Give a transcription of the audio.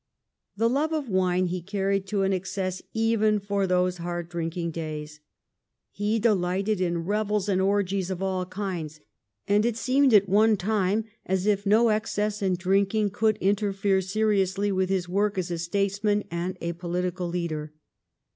The love of wine he carried to an excess even for those hard drinking days. He delighted in revels and orgies of all kinds, and it seemed at one time as if no excess in drinking could interfere seriously with his work as a statesman and a political leader.